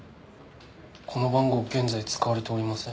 この番号現在使われておりません。